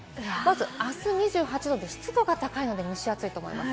あす２８度で、湿度が高いので蒸し暑いと思います。